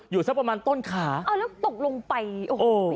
อยู่แสบประมาณต้นขาอ้าวแล้วตกลงไปโอ้โห